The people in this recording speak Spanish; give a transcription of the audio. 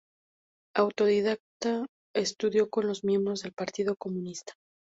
Autodidacta, estudió con los miembros del Partido Comunista.